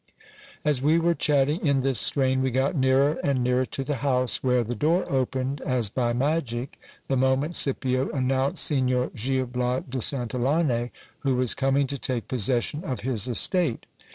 As we were chatting in this strain, we got nearer and nearer to the house, where the door opened, as by magic, the moment Scipio announced Signor Gil Has de Santillane, who was coming to take possession of his estate.